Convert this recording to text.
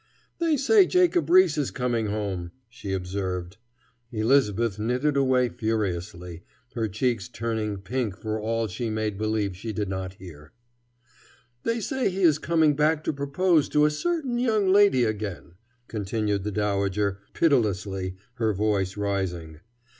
"They say Jacob Riis is coming home," she observed. Elisabeth knitted away furiously, her cheeks turning pink for all she made believe she did not hear. "They say he is coming back to propose to a certain young lady again," continued the dowager, pitilessly, her voice rising.